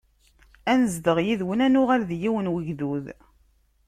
Ad nezdeɣ yid-wen, ad nuɣal d yiwen n ugdud.